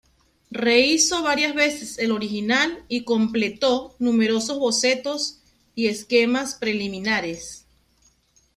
Rehízo varias veces el original y completó numerosos bocetos y esquemas preliminares.